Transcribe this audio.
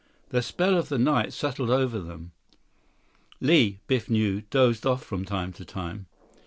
The spell of the night settled over them. Li, Biff knew, dozed off from time to time.